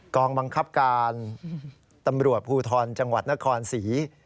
กองบังคับการตำรวจภูทรจังหวัดนครศรี